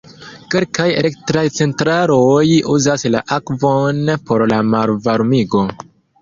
Kelkaj elektraj centraloj uzas la akvon por la malvarmigo.